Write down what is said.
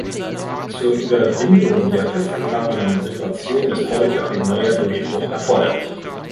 Zur Überwindung der festgefahrenen Situation ist heute ein neuer Durchbruch erforderlich.